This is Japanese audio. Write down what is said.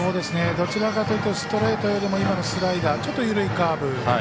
どちらかというとストレートよりも今のスライダーちょっと緩いカーブ